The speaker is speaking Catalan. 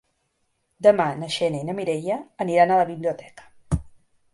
Demà na Xènia i na Mireia aniran a la biblioteca.